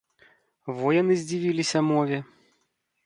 Во яны здзівіліся мове!